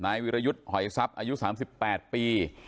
นายวิรยุทธ์หอยซับอายุ๓๘ปี